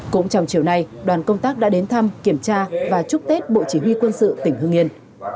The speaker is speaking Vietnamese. cũng trong chiều nay đoàn công tác đã đến thăm kiểm tra và chúc tết bộ chỉ huy quân sự tỉnh hương yên